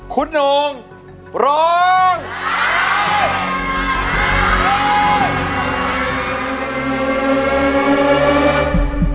คุณองค์ร้องได้